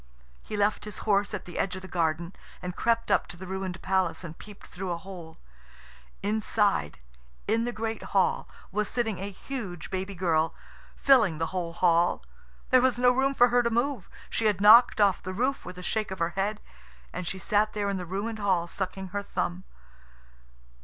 He left his horse at the edge of the garden, and crept up to the ruined palace and peeped through a hole. Inside, in the great hall, was sitting a huge baby girl, filling the whole hall. There was no room for her to move. She had knocked off the roof with a shake of her head. And she sat there in the ruined hall, sucking her thumb.